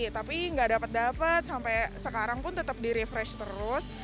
tapi nggak dapat dapat sampai sekarang pun tetap di refresh terus